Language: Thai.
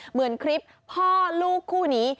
เหมือนคลิปพ่อลูกคู่นี้